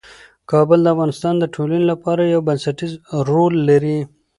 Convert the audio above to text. کابل د افغانستان د ټولنې لپاره یو بنسټيز رول لري.